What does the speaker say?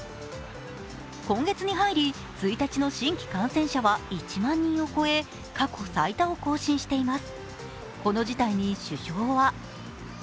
今月に入り、１日の新規感染者は１万人を超え、過去最多を更新しています。